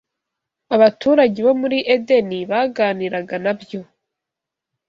abaturage bo muri Edeni baganiraga nabyo,